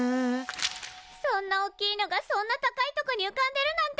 そんなおっきいのがそんな高いとこにうかんでるなんて！